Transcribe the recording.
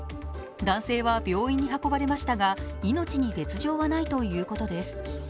男性は病院に運ばれましたが命に別状はないということです。